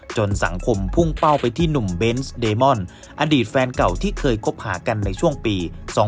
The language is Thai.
สังคมพุ่งเป้าไปที่หนุ่มเบนส์เดมอนอดีตแฟนเก่าที่เคยคบหากันในช่วงปี๒๕๖